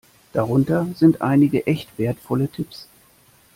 Darunter sind einige echt wertvolle Tipps.